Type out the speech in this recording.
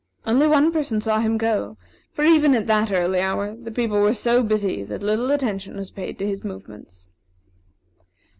Only one person saw him go; for, even at that early hour, the people were so busy that little attention was paid to his movements.